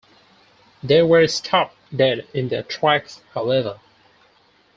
They were stopped dead in their tracks, however.